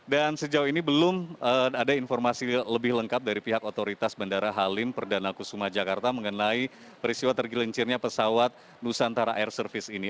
dan sejauh ini belum ada informasi lebih lengkap dari pihak otoritas bandara halim perdana kusuma jakarta mengenai peristiwa tergelincirnya pesawat nusantara air service ini